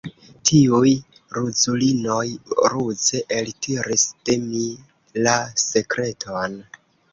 Tiuj ruzulinoj ruze eltiris de mi la sekreton.